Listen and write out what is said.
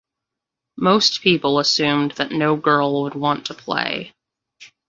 Most people assumed that no girl would want to play.